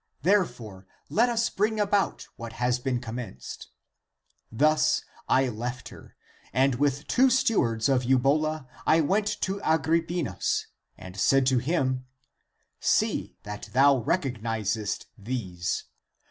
Therefore let us bring about what has been commenced. Thus I 86 THE APOCRYPHAL ACTS left her, and with two stewards of Eubola I went to Agrippinus and said to him, See that thou recog nizest these.